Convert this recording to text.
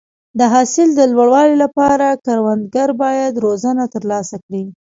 د حاصل د لوړوالي لپاره کروندګر باید روزنه ترلاسه کړي.